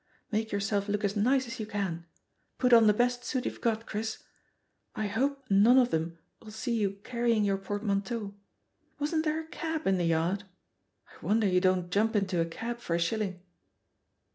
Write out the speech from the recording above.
Make yourself look as nice as you can. Put on the best suit youVe got, Chris. I hope none of them'll see you carrying your port manteau. Wasn't there a cab in the yard? I wonder you don't jump into a cab for a shilling.